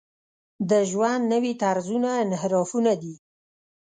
د ژوند نوي طرزونه انحرافونه دي.